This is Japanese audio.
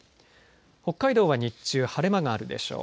北海道は日中晴れ間があるでしょう。